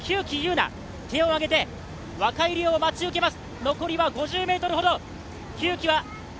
手を挙げて若井莉央を待ち受けます。